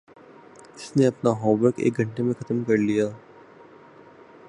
اس نے اپنا homework ایک گھنٹے میں ختم کر لیا